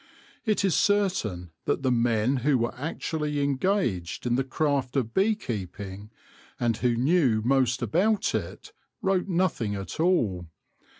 It is certain that the men who were actually engaged in the craft of bee keeping, and who knew most about it, wrote nothing at all.